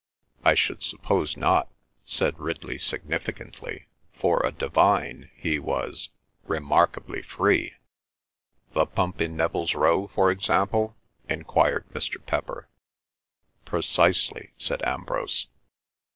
"I should suppose not," said Ridley significantly. "For a Divine he was—remarkably free." "The Pump in Neville's Row, for example?" enquired Mr. Pepper. "Precisely," said Ambrose.